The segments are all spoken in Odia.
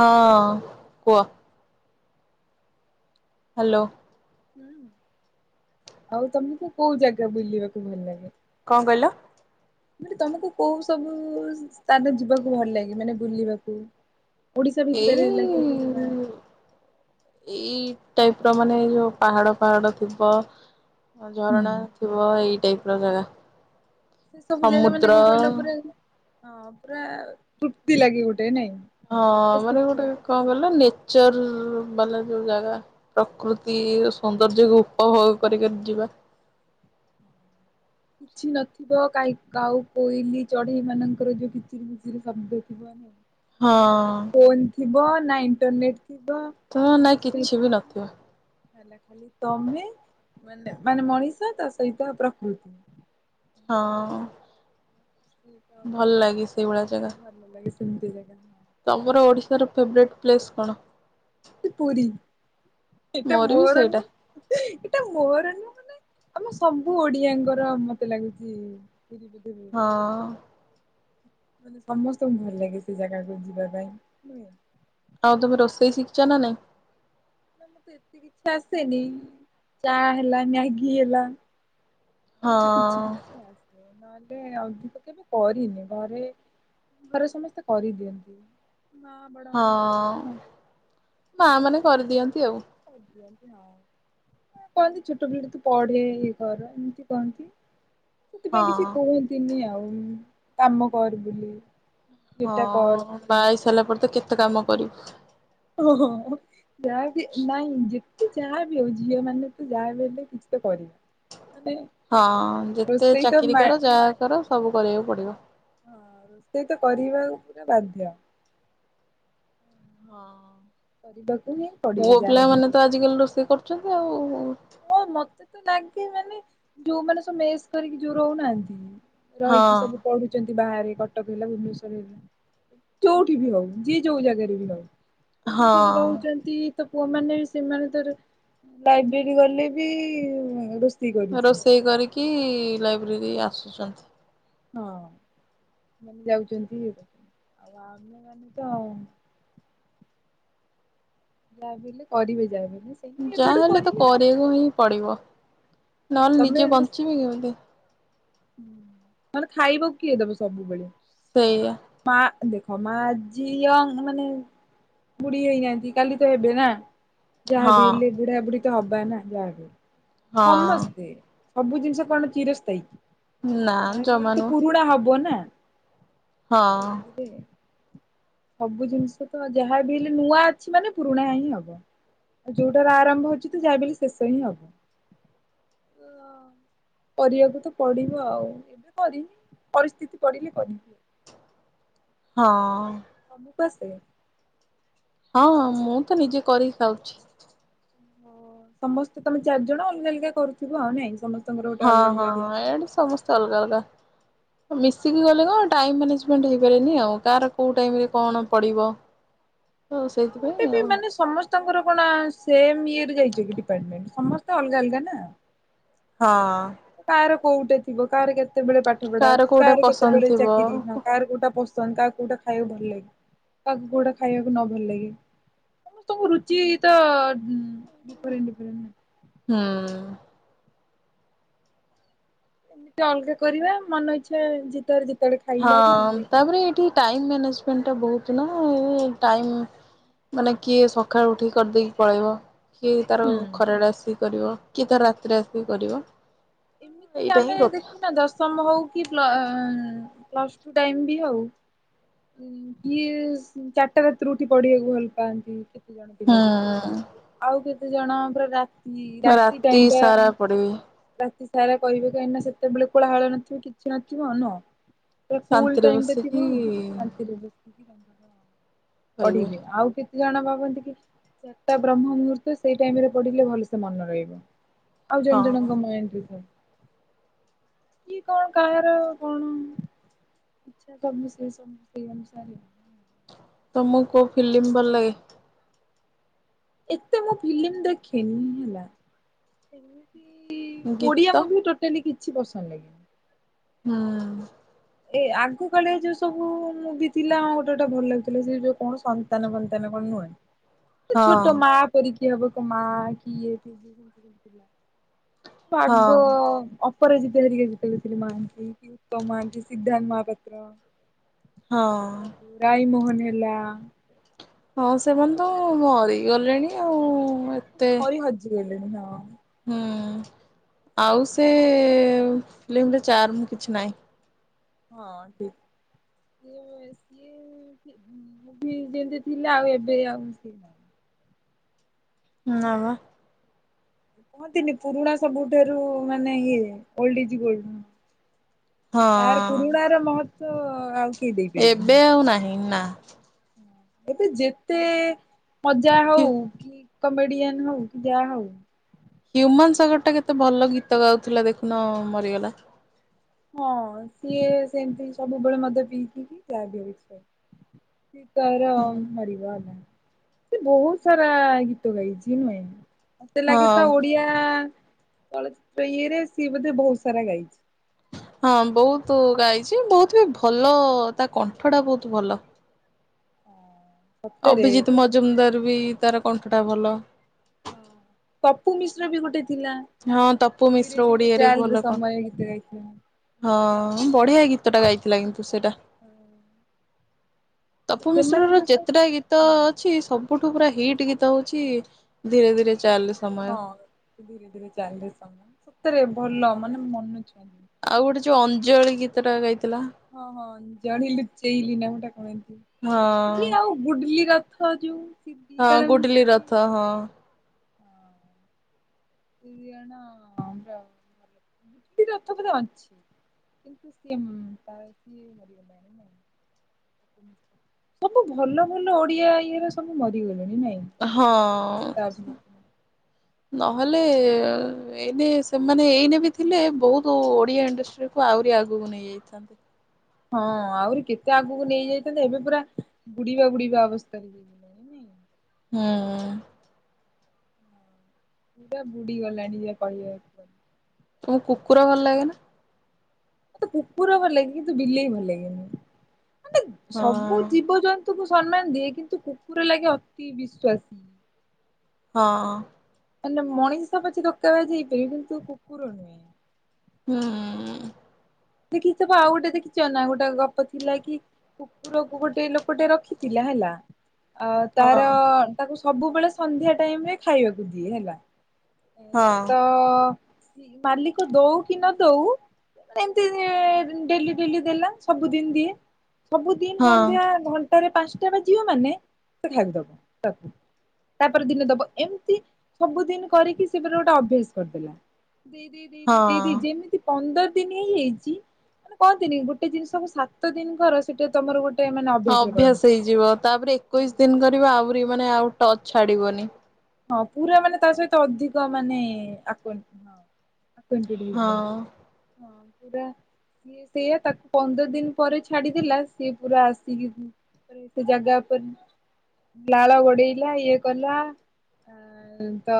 ହଁ କୁହ। ହାଲୋ। ଆଉ ତମକୁ କୋଉ ଜାଗା ବୁଲିବାକୁ ଭଲ ଲାଗେ? କଣ କହିଲ? ମାନେ ତମକୁ କୋଉ ସବୁ ସ୍ଥାନ ଯିବାକୁ ଭଲ ଲାଗେ ମାନେ ବୁଲିବାକୁ? ଓଡିଶା ଏଇ ଭିତରେ ହେଲା କି ଓଡିଶା ବାହାରେ ଏଇ ଟାଇପ୍ ର ମାନେ ଯଉ ପାହାଡ଼ ପାହାଡ଼ ଥିବ ହୁଁ ଝରଣା ଥିବ ଏଇ ଟାଇପ୍ ର ଜାଗା। ସେ ସବୁ ଜାଗା ମାନେ ସମୁଦ୍ର କଣ କହିଲ ପୁରା ହଁ ପୁରା ତୃପ୍ତି ଲାଗେ ଗୋଟେ ନାଇଁ। ହଁ ମାନେ ଗୋଟେ କଣ କହିଲ ନେଚର ବାଲା ଯୋଉ ଜାଗା। ପ୍ରକୃତି ସୌନ୍ଦର୍ଯ୍ୟକୁ ଉପଭୋଗ କରି କରି ଯିବା। କିଛି ନଥିବ କାଇଁ କାଉ କୋଇଲି ଚଢେଇ ମାନଙ୍କର ଯୋଉ କିଚିରି ଖଚିରି ଶବ୍ଦ ଥିବ। ହଁ ନା ଫୋନ୍ ଥିବ ନା ଇଣ୍ଟରନେଟ୍ ଥିବ ଥବ ନା କିଛି ବି ନଥିବ। ହେଲା ଖାଲି ତମେ, ମାନେ ମାନେ ମଣିଷ ତା ସହିତ ପ୍ରକୃତି। ହଁ। ସେଇଟା ଭଲ ଅଧିକା ଲାଗେ ସେଇଭଳିଆ ଜାଗା। ଭଲ ଲାଗେ ସେମିତିଆ ଜାଗା। ତମର ଓଡ଼ିଶାର ଫେବରେଟ୍ ପ୍ଲେସ୍ କଣ? ପୁରୀ। ଏଟା ବି ମୋର ସେଇଟା ନୁହୁଁ ଏଟା ମୋର ନୁହୁଁ ମାନେ ଆମ ସବୁ ଓଡିଆଙ୍କର ମତେ ଲାଗୁଚି ପୁରୀ ବୋଧେ ହଁ। ମାନେ ସମସ୍ତଙ୍କୁ ଭଲ ଲାଗେ ସେ ଜାଗାକୁ ଯିବା ପାଇଁ ନୁହେଁ। ଆଉ ତମେ ରୋଷେଇ ଶିଖିଚ ନା ନାଇଁ? ମତେ ଏତେ କିଛି ଆସେନି। ଚା ହେଲା ମ୍ୟାଗି ହେଲା ଏମିତି କିଛି ହଁ କିଛି ଆସେ। ନହେଲେ ଅଧିକ କେବେ କରିନି, ଘରେ ଘରେ ସମସ୍ତେ କରିଦିଅନ୍ତି। ବଡ ହଁ। ମାମା ମା ମାନେ କରିଦିଅନ୍ତି ଆଉ। କରିଦିଅନ୍ତି ଆଉ। କହନ୍ତି ଛୋଟ ପିଲା ଟେ ତୁ ପଢେ ଇଏ କର ଏମିତି କହନ୍ତି। ହଁ ସେଥିପାଇଁ କିଛି କୁହନ୍ତିନି ଆଉ କାମ କର ବୋଲି। ଏଟା କର ହଁଅଅ ସେଟା ବାହା ହେଇ ସାରିଲା ପରେ ତ କେତେ କାମ କରିବୁ। ଓହୋଃ ହୋ ଯାହା ବି ନାଇଁ ଯେ ସେ ଯାହା ବି ହେଉ ଝିଅମାନେ ତ ଯାହା ବି ହେଲେ କିଛି ତ କରିବ ମାନେ ହଁଅ ଯେତେ ରୋଷେଇ ତ ଚାକିରୀ ମା କର ଯାହା କର ସବୁ କରିବାକୁ ପଡିବ। ହଁଅଅ ରୋଷେଇ ତ କରିବାକୁ ପୁରା ବାଧ୍ୟ। ହଁଅଅ କରିବାକୁ ହିଁ ପଡିବ ଯାହାବି ହେଲେ। ପୁଅପିଲାମାନେ ତ ଆଜିକାଲି ରୋଷେଇ କରୁଛନ୍ତି ଆଉ। ହଁ ମତେ ତ ଲାଗେ ମାନେ ଯୋଉମାନେ ସବୁ ମେସ୍ କରିକି ଯୋଉ ରହୁନାହାନ୍ତି‌ ହଁ ରହିକି ସବୁ ପଢୁଛନ୍ତି ବାହାରେ କଟକ ହେଲା ଭୁବନେଶ୍ଵର ହେଲା। ଯୋଉଠି ବି ହଉ ଯିଏ ଯୋଉ ଜାଗାରେ ବି ହଉ‌। ଯୋଉଠି ସବୁ ହଁ ରହୁଛନ୍ତି ତ ପୁଅମାନେ ବି ସେମାନେ ତାର [unintelligible] ଯୋଉ ଗଲେ ବି-ଇ-ଇ ରୋଷ୍ ରୋଷେଇ କରିକି-ଇ-ଇ ଲାଇବ୍ରେରୀ ଆସୁଛନ୍ତି। ହଁ, ମାନେ ଯାଉଛନ୍ତି ଏ ହେଉଛନ୍ତି, ଆଉ ଆମେମାନେ ତ ଯାହା ବି ହେଲେ କରିବ ଯାହା ବି ହେଲେ। ସେମିତି ଏବେଠୁ ଯାହାହେଲେ ତ କରିନି ଆଉ କରିବାକୁ ହିଁ ପଡ଼ିବ ନହେଲେ ନିଜେ ବଞ୍ଚିବି କେମିତି। ହୁଁ ନହେଲେ ଖାଇବାକୁ କିଏ ଦେବେ ସବୁବେଳେ? ସେଇଆ। ମାଆ ଦେଖ ମାଆ ଆଜି ୟଙ୍ଗ୍ ମାନେ ବୁଢୀ ହେଇନାହାନ୍ତି କାଲି ତ ହେବେ ନା। ହଁ ଯାହାବି ହେଲେ ବୁଢା ବୁଢୀ ତ ହବା ନା ଯାହାବି ହେଉ, ହଁ ସମସ୍ତେ। ସବୁ ଜିନିଷ କଣ ଚିରସ୍ଥାୟୀ? ନା ଯାହା ବିି ଜମା ହେଲେ ତ ନୁହଁ ପୁରୁଣା ହବ ନା। ହଁ। ସବୁ ଜିନିଷ ତ ଯାହା ବି ହେଲେ ନୂଆ ଅଛି ମାନେ ପୁରୁଣା ହିଁ ହବ। ଆଉ ଯୋଉଟାର ଆରମ୍ଭ ହଉଛି ତ ଯାହା ବି ହେଲେ ଶେଷ ହିଁ ହବ। କରିବାକୁ ତ ପଡିବ। [inaudible] ଆଉ ଏବେ କରିନି ପରିସ୍ଥିତି ପଡିଲେ କରିବି। ହଁ। ତମକୁ ଆସେ? ହଁ-ହଁ, ମୁଁ ତ ନିଜେ କରିିକି ଖାଉଛି। ସମସ୍ତେ ତମେ ଚାରିଜଣ ଅଲଗା ଅଲଗା କରୁଥିବ ଆଉ ନାଇଁ ସମସ୍ତେ। ହଁ-ହଁ-ହଁ, ଏଆଡେ ସମସ୍ତେ ଅଲଗା ଅଲଗା। ମିଶିକି ଗଲେ କଣ ଟାଇମ ମ୍ୟାନେଜମେଣ୍ଟ ହେଇପାରିବନି ଆଉ, କାହାର କୋଉ ଟାଇମରେ କଣ ପଡିବ। [unintelligible] ଁ ଆଉ ସେଇଥି ଗୋଟେ ବି ମାନେ ସମସ୍ତ୍ ସ୍ତଙ୍କର କଣ ସେମ୍ ଇୟର ଯାଇଛି କି ଡିପାର୍ଟମେଣ୍ଟ ସମସ୍ତେ ଅଲଗା ଅଲଗା ନା। ହଁ। କାହାର କୋଉଟେ ଥିବ କାହାର କେତେବେଳେ ପାଠ ପଢା କି କୋଉଟା କାହାର ପସନ୍ଦ କେତେବେଳେ ଥିବ ଚାକିରି ହଁ କାହାର କୋଉଟା ପୋସ୍ ଚନକା କୋଉଟା ଖାଇବାକୁ ଭଲ ଲାଗେ କାହାକୁ କୋଉଟା ଖାଇବାକୁ ନ ଭଲ ଲାଗେ। ସମସ୍ତଙ୍କ ରୁଚି ତ ଡିଫରେଣ୍ଟ ଡିଫରେଣ୍ଟ। ହୁଁ। ଟିକେ ଅଲଗା କରିବା ମନ ଇଚ୍ଛା ଯେତେବେଳ ଯେତେବେଳେ। ଖାଇଲା ବି ହଁଅ-ଅ ସେତେବେଳେ କିଛି ତାପରେ ଏଠି ଟାଇମ ମ୍ୟାନେଜମେଣ୍ଟଟା ବହୁତ ନା, ଏଇ ଟାଇମ୍ ମାନେ କିଏ ସକାଳୁ ଉଠିକି କରିଦେଇକି ପଳେଇବ। କିଏ ତାର ହୁଁ ଖରାବେଳେ ଆସିକି କରିବ, କିଏ ତାର ରାତିରେ ଆସିକି କରିବ। ଏମିତି ବି ଏଇଟା ହିଁ ଆମେ କଥା ଦେଖିନ ଦଶମ ହଉ କି ପ୍ଲ ଅ, ଅ, ଉଁ, ପ୍ଲସ୍ ଟୁ ଟାଇମ୍ ବି ହଉ ଉଁ, କିଏ ଚାଟା ରାତିରୁ ଉଠି ପଢିବାକୁ ଭଲ ପାଆନ୍ତି, କି କେତେ ଜଣ ପିଲା ଦେଖିବେ, ହୁଁ ଆଉ କେତେ ଜଣ ପୁରା ରା [inaudible] ରାତି ଟାଇମ୍ ଟା ସାରା ପଡିବି। ରାତି ସାରା କହିବେ କାହିଁକି ନା ସେତେବେଳେ କୋଳାହଳ ନଥିବେ କିଛି ନଥିବ ନୁହ। ପୁରା କୁଲ୍ ଶାନ୍ତିରେ ଟାଇମ୍ ଟା ବସିକି ଥିବା ରାତିରେ [inaudible] ଖାଇବେ ପଢିବେ ଆଉ କେ ତେ ଜଣ ଭାବନ୍ତି କି ଚାଟା ବ୍ରହ୍ମ ମୁହୂର୍ତ୍ତ ସେଇ ଟାଇମ୍ ରେ ପଢିଲେ ଭଲସେ ମନ ରହିବ। ଆଉ ଜଣ ହଁ। ଜଣଙ୍କ ମାଇଣ୍ଡି ରେ ଥାଏ କି କଣ କାହାର କଣ ଇଚ୍ଛା ସବୁ ସେ ସବୁ ସେଇ ଅନୁସାରେ ତୋମକୁ କୋଉ ଫିଲ୍ମ ଭଲ ଲାଗେ? ଏତେ ମୁଁ ଫିଲ୍ମ ଦେଖେନି ହେଲା। ସେମିତି ଗୀତ ଓଡିଆ ମୁଭି ଟୋଟାଲି କିଛି ପସନ୍ଦ ଲାଗେନି। ହଁ। ଏ ଆଗ କାଳର ଯୋଉ ସବୁ ମୁଭି ଥିଲା ଗୋଟେ ଗୋଟେ ଭଲ ଲାଗୁଥିଲା, ସେ ଯୋଉ କଣ ସନ୍ତାନ ଫନ୍ତାନ କଣ ନୁହେଁ? [unintelligible] ତ ଛୋଟ ମା ପରି କିଏ ହବ କ- ମା କିଏ [inaudible] ପାଗ ହଁ ଅପରାଜିତା ହେରିକା ଯେତେଳେ ଥିଲି ମହାନ୍ତି କି ଉତ୍ତମ ମହାନ୍ତି ସେ ସିଦ୍ଧାନ୍ତ ମହାପାତ୍ର, ହଁ। ରାଇ ମୋହନ ହେଲା। ହଁ ସେମାନେ ତ ମରି ଗଲେଣି ଆଉ। ମରି ହଜିଗଲେଣି ହଁ। ହଁ, ଆଉ ସେ ଫିଲ୍ମରେ ଚାର୍ମ କିଛି ନାହିଁ। ହଁ ଠିକ୍ [inaudible] ସୀଏ ମୁଭି ମୁଭି ଯେମିତି ଥିଲା ଆଉ ଏବେ ଆଉ ସିଏ ନାହିଁ। ନା ବା। କୁହନ୍ତିନି ପୁରୁଣା ସବୁଠାରୁ ମାନେ ଇଏ ଓଲ୍ଡ ଇଯି ଗୋଲ୍ଡ। ତାର ହଁ ପୁରୁଣା ର ମହତ୍ତ୍ୱ ଆଉ ଏବେ ଆଉ ନାହିଁ ନା। ହଁ ଏବେ ଯେତେ ମଜା ହ୍ୟୁ ହଉ କି କମେଡିଆନ୍ ହଉ କି ଯା ହଉ ହ୍ୟୁମାନ ସାଗର ଟା କେତେ ଭଲ ଗୀତ ଗାଉଥିଲା ଦେଖୁନ ମରିଗଲା। ହଁ ସିଏ ସେମିତି ସବୁବେଳେ ମଦ ପିଇକିରି [inaudible] ସିଏ ତାର ମରିଗଲା, ସିଏ ବହୁତ ସାରା ଗୀତ ଗାଇଛିି ନୁହେଁ? ମୋତେ ଲାଗେ ତ ହଁ। ଓଡିଆ ଚଳଚିତ୍ର ଇଏରେ ସିଏ ବୋଧେ ବହୁତ ସାରା ଗାଇଛି। ହଁ ବହୁତୁ ଗାଇଛି, ବହୁତ ବି ଭଲ ତା କଣ୍ଠ ଟା ବହୁତ ଭଲ। ହଁ। ଅଭିଜିତ୍ ମଜୁମଦାର ବି ତାର କଣ୍ଠ ଟା ଭଲ। ପପୁ ମିଶ୍ର ବି ଗୋଟେ ଥିଲା ହଁ ତପୁ ମିଶ୍ର ଧୀରେ ଧୀରେ ଓଡିଆରେ ଭଲ ଚାଲରେ କ ସମୟ ଗୀତ ଗାଇଥିଲା। ହଁ ବଢିଆ ଗୀତଟା ଗାଇଥିଲା କିନ୍ତୁ ସେଇଟା। ହଁ। ତପୁ ମିଶ୍ର ର ଯେତେଟା ଗୀତ ସବୁ ଛି ସବୁଠୁ ପୁରା ହିଟ୍ ଗୀତ ହଉଛି ଧୀରେ ଧୀରେ ଚାଲରେ ହଁ ଧୀରେ ଧୀରେ ଚାଲରେ ସମୟ ସତରେ ଭଲ ମାନେ ମନ ଛୁଇଁ [inaudible] ଆଉ ଗୋଟେ ଯୋଉ ଅଞ୍ଜଳି ଗୀତ ଟା ଗାଇଥିଲା। ହଁ, ହଁ ଅଞ୍ଜଳି ଲୁଚେଇଲିି ନା ଗୋଟା କଣ ଏମତି, ହଁ ସିଏ ଆଉ ଗୁଡଲି ରଥ ଯୋଉ ସିଏ ହଁ ଗୁଡିଲି ରଥ ହଁ। ହଁ। ଇଏ ନ ଯାଉ ନହେଲେ ଗୁଡ଼ିଲି ରଥକୁ ଯାଣିଛି। କିନ୍ତୁ କାଳେ ସିଏ ମରିଗଲେଣି ନା କି? ସବୁ ଭଲ ଭଲ ଓଡିଆ ଇଏର ସ ସବୁ ମରିଗଲେଣି ନାଇଁ ହଁ। ଅଭିନେତା ଅଭିନେର୍ତ୍ର। ନହେଲେ ଏ ଏଇନେ ସେମାନେ ଏଇନେ ବି ଥିଲେ ବୋହୁତ ଓଡିଆ ଇଣ୍ଡଷ୍ଟ୍ରି କୁ ଆହୁରି ଆଗକୁ ନେଇଯାଇଥାନ୍ତେ। ହଁ ଆହୁରି କେତେ ଆଗକୁ ନେଇଯାଇଥାନ୍ତେ ଏବେ ପୁରା ବୁଡିବା ବୁଡିବା ଅବସ୍ଥାରେ ଯାକି। ହୁଁ। ପୁରା ବୁଢ଼ି ଗଲାଣି ଯା କହିବାକୁ ଗଲେ। ତମକୁ କୁକୁର ଭଲ ଲାଗେ ନା? ମତେ କୁକୁର ଭଲ ଲାଗେ କିନ୍ତୁ ବିଲେଇ ଭଲ ଲାଗେନି ମାନେ ସବୁ ହଁ। ଜୀବଜନ୍ତୁ କୁକୁ ସମ୍ମାନ ଦିଏ କିନ୍ତୁ କୁକୁର ଲାଗେ ଅତି ବିଶ୍ଵାସୀ। ହଁ। ମାନେ ମଣିଷ ପଛକେ ଦୋକାବାଜ୍ ହେଇପାରିବ କିନ୍ତୁ କୁକୁର ନୁହେଁ। ହୁଁ। ଦେଖିଚପା ଆଉ ଗୋଟେ ଦେଖିଚ ନା ଗୋଟେ ଗପ ଥିଲା କି କୁକୁରକୁ ଗୋଟେ ଲୋକଟେ ରଖିଥିଲା ହେଲା। ଆ ହଁ ତାର ତାକୁ ସବୁବେଳେ ସନ୍ଧ୍ୟା ଟାଇମରେ ଖାଇବାକୁ ଦିଏ ହେଲା। ଏ ହଁ ତ ମାଲିକ ଦଉ କି ନ ଦଉ ଏମିତି ଡେଲି ଡେଲି ଦେଲା ସବୁଦିନ ଦିଏ ସବୁଦିନ ହଁ ସନ୍ଧ୍ୟା ଘ ଘଣ୍ଟା ରେ ପାଞ୍ଚଟା ବାଯିବ ମାନେ ସେ ଖାଇବାକୁ ଦବ ତାକୁ। ତାପରେ ଦିନ ଦବ ଏମିତି ସବୁଦିନି କରିକି ସେଏ ଫେରେ ଗୋଟେ ଅଭ୍ୟାସ କରିଦେଲା। ଦେଇ ଦେଇ ହଁ ଦେଇ ଯେମିତି ପନ୍ଦର ଦିନ ହିଁ ହେଇଯାଇଚି। ମାନେ କହନ୍ତିନି ଗୋଟେ ଜିନିଷକୁ ସାତ ଦିନି କର ସେଟା ତମର ଗୋଟେ ମାନେ ଅଭ୍ୟାସରେ ପରିଣତ ଅଭ୍ୟାସ ହେଇଯିବ ତାପରେ ଏକୋଇଶି ଦିନ କରିବ ଆହୁରି ମାନେ ଆଉ ଟଚ ଛାଡିବନି। ହଁ ପୁରା ମାନେ ତା ସହିତ ଅଧିକ ମାନେ ଆକର୍ଷିତ ହଁ। ହଁ ପୁରା ସ ସେଇୟା ତାକୁ ପନ୍ଦର ଦିନ ପରେ ଛାଡିଦେଲା ସିଏ ପୁରା ଆସିକି ସେ ଜାଗା ଉପରେ ଲାଳ ଗୋଡେଇଲା ଇଏ କଲା। ଆ ତ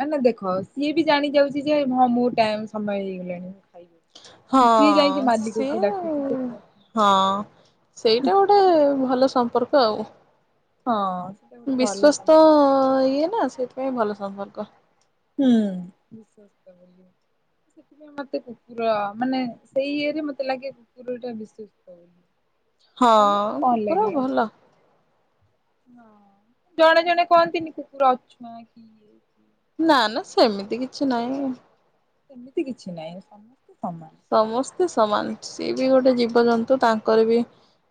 ମାନେ ଦେଖ ସିଏ ବି ଜାଣି ଯାଉଚି ଯେ ହଁ ମୁଁ ଟାଇମ୍ ସମୟ ହେଇଗଲାଣି। ଖାଇବି। ହଁ ସିଏ ଯାଇକି ମାଲିକକୁ ସେଏ ଡାକୁଛି ଯେ ତୁ ଆସ ହଁ ସେଇଟା ଗୋଟେ ଭଲ ସମ୍ପର୍କ ଆଉ। ହଁ। ସେଟା ଗୋଟେ ଭଲ ବିଶ୍ଵସ୍ଥ ସମ୍ପର୍କ ଇଏ ନା ସେଥିପାଇଁ ଭଲ ସମ୍ପର୍କ। ହୁଁ ବିଶ୍ୱାସ କରନ୍ତି। ସେଥିପାଇଁ ମତେ କୁକୁର ମାନେ ସେଇ ଇଏରେ ମତେ ଲାଗେ କୁକୁର ଟା ବିଶ୍ୱସ୍ତ ବୋଲି। ହଁ ତମକୁ କଣ କୁକୁର ଲାଗେ? ଭଲ ହଁ ଜଣେ ଜଣେ କହନ୍ତିନି କୁକୁର ଅଛୁଆଁ କିଏ ନା ନା ସେମିତି କିଛି ନାହିଁ। ସେମିତି କିଛି ନାହିଁ ସମସ୍ତେ ସମାନ। ସମସ୍ତେ ସମାନ ସିଏ ବି ଗୋଟେ ଜୀବଜନ୍ତୁ ତାଙ୍କର ବି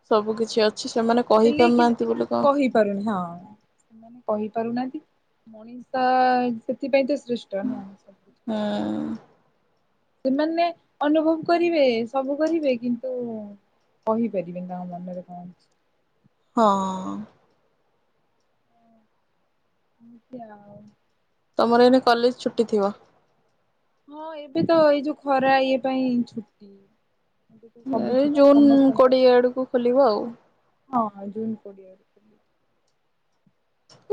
ସବୁ କିଛି ଅଛି ସେମାନେ କହି ହେଲେ ପାରୁନାହାନ୍ତି କିନ୍ତୁ ବୋଲି କଁ ହଁ କହିପାରୁନାହାନ୍ତି ମଣିଷ ସେଥିପାଇଁ ତ ସୃଷ୍ [unintelligible] ହୁଁ। ସେମାନେ ଅନୁଭବ କରିବେ ସବୁ କରିବେ କିନ୍ତୁ କହିପାରିବେନି ତାଙ୍କ ମନରେ କଣ ଅଛି। ହଁ। ଏମିତି ଆଉ। ତମର ଏଇନେ କଲେଜ୍ ଛୁଟି ଥିବ? ହଁ ଏବେ ତ ଏଇ ଯଉ ଖରା ଇଏ ପାଇଁ ଛୁଟି। ସବୁ ଏଇ ଛୁଟି ଜୁନ୍ ସମସ୍ତଙ୍କର କୋଡିଏ ଆଡକୁ ଖୋଲିବ ଆଉ। ହଁ ଜୁନ୍ କୋଡିଏ ଆଡକୁ।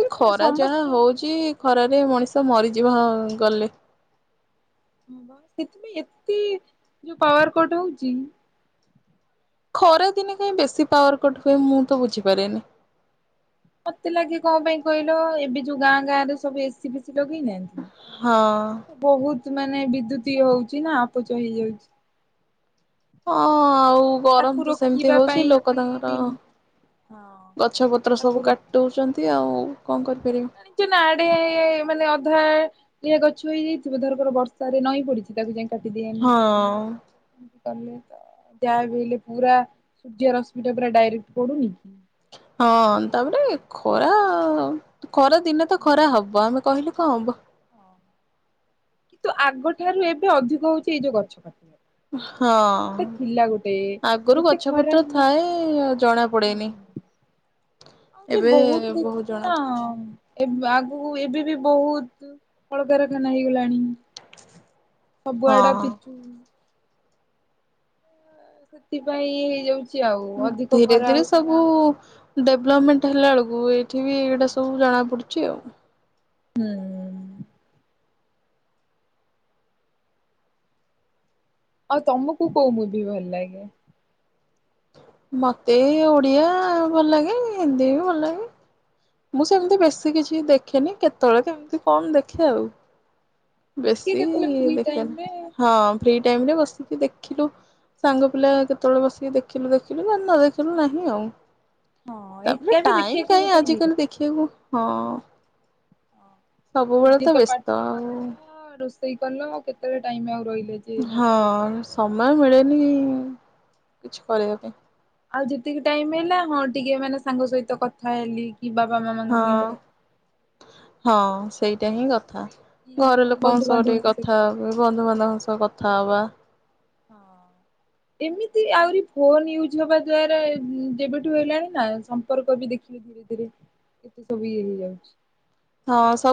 ଏ ଖରା ଯାହା ସମସ୍ତେ ହଉଚି ଘରେ ଖରାରେ ମଣିଷ ମରିଯିବ ଗଲେ। ହଁ ବା ସେଥିପାଇଁ ଏତେ ଯଉ ପାୱାର କଟ୍ ହଉଚି ଖରା ଦିନେ କାହିଁ ବେଶୀ ପାୱାର କଟ୍ ହୁଏ ମୁଁ ତ ବୁଝିପାରେନି। ମତେ ଲାଗେ କଣ ପାଇଁ କହିଲ ଏବେ ଯଉ ଗାଁ ଗାଁ ରେ ସବୁ ଏସି ଫେସିି ଲଗେଇନାହାନ୍ତି ହଁ। ବହୁତ୍ ମାନେ ବିଦ୍ୟୁତ ଇଏ ହଉଚି ନା ଅପଚୟ ହେଇଯାଉଚି। ହଁ ଆଉ ତାକୁ ଗରମ୍ ତ ସେମିତି ରୋକିବା ହଉଚି ପାଇଁ ଲୋକ କି ତାଙ୍କର ହଁ ଗଛ ପତ୍ର ତାକୁ ସବୁ ରୋ କାଟି ଦଉଚନ୍ତି ଆଉ କଣ କରିପାରିବ। ଜାଣିଚୁ ନା ଆଡେ ମାନେ ଅଧା [unintelligible] ଗଛ ହେଇଯାଇଥିବ ଧରକର ବର୍ଷାରେ ନଇଁ ପଡିଚି ତାକୁ ଯାଇ କାଟିଦେଇ ଆନି ହଁ। କଲେ ତ ଯାହା ବି ହେଲେ ପୁରା ସୂର୍ଯ୍ୟ ରଶ୍ମିଟା ପୁରା ଡାଇରେକ୍ଟ୍ ପଡୁନି କି। ହଁ ତାପରେ ଖରା -ଖରା ଦିନେ ତ ଖରା ହବ ଆମେ କହିଲେ କଣ ହବ। କିନ୍ତୁ ଆଗଠାରୁ ଏବେ ଅଧିକ ହଉଚି ଏଇ ଯଉ ଗଛ କାଟିବା ପାଇଁ। ଟେ ହଁ। ଥିଲା ଗୋଟେ ଆଗରୁ ଏତେ ଗଛ ଖରା ପତ୍ର ହେଲେ ଥାଏ ଜଣା ପଡେନି ଆଉବି ଏବେ ବହୁତ୍ ବହୁତ ଜଣା ଦେଖିଚୁନା ପଡୁଛି। ଏବ୍ -ଆଗୁକୁ ଏବେ ବି ବହୁତ୍ କଳକାରଖାନା ହେଇଗଲାଣି। ସବୁଆଡ ହଁ ପିଚୁ। ସେଥିପାଇଁ ଇଏ ହେଇଯାଉଚି ଆଉ ଅଧିକ ଖରା ହଉ ବୁ ଡେଭଲପମେଣ୍ଟ୍ ହେଲାବେଳକୁ ଏଇଠି ବି ଏଇଗୁଡା ସବୁ ଜଣାପଡୁଚି ଆଉ। ହୁଁ। ଆଉ ତମକୁ କଉ ମୁଭି ଭଲ ଲାଗେ? ମତେ ଓଡିଆ ଭଲ ଲାଗେ ହିନ୍ଦୀ ବି ଭଲ ଲାଗେ। ମୁଁ ସେମିତି ବେଶୀ କିଛି ଦେଖେନି କେତେବେଳେ କେମିତି କଣ ଦେଖେ ଆଉ। ଟିକେ ବେଶୀ କେତେବେଳେ ଫ୍ରି ଟାଇମ ଦେଖେନା ରେ ହଁ ଫ୍ରି ଟାଇମ୍ ରେ ବସିକି ଦେଖିଲୁ ସାଙ୍ଗ ପିଲା କେତେବେଳେ ବସିକି ଦେଖିଲୁ ଦେଖିଲୁ ନା ନ ଦେଖିଲୁ ନାହିଁ ଆଉ। ହଁ ତାପରେ ଏକା ବି ଟାଇମ୍ ଦେଖିବାକୁ କାଇଁ ଗୋଟେ ଭଲ ଆଜିିକାଲି ଲାଗେ। ଦେଖିବାକୁ -ହଁ। ସବୁବେଳେ ନିଜେ ତ ପାଠ ବ୍ୟସ୍ତ ଆଉ ପଢିଲ ରୋଷେଇ କଲ କେତେବେଳେ ଟାଇମ୍ ଆଉ ରହିଲା ଯେ ବସ ହଁ ସମୟ ମିଳେନି କିଛି କରିବା ପାଇଁ। ଆଉ ଯେତିକି ଟାଇମ୍ ହେଲା ହଁ ଟିକେ ମାନେ ସାଙ୍ଗ ସହିତ କଥା ହେଲି କି ବାବା ମାମାଙ୍କ ହଁ ସହିତ କଥା ହଁ ସେଇଟା ହିଁ କଥା କି ଘର ଲୋକଙ୍କ ସହ ଟିକେ ବନ୍ଧୁବାନ୍ଧବଙ୍କ ସହିତ କଥା ବନ୍ଧୁବାନ୍ଧବଙ୍କ ସହ କଥା ହବା। ହଁ [inaudible] ଏମିତି ଆହୁରି ଫୋନ ୟୁଜ୍ ହବା ଦ୍ଵାରା ଯେବେଠୁ ହେଲାଣି ନା ସମ୍ପର୍କ ବି ଦେଖ ଧୀରେ ସବୁ ଇଏ ହେଇ ଯାଉଛି। ହଁ ସବ